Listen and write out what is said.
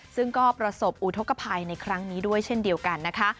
ซึ่งก็ประสบอุทธกภัยในครั้งนี้ด้วยเช่นเดียวกันนะคะ